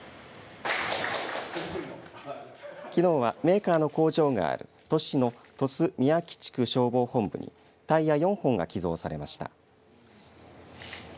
きのうはメーカーの工場がある鳥栖・三養基地区消防本部にタイヤ４本が寄贈されました。